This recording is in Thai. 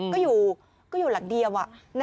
ก็อยู่อยู่หลังเดียว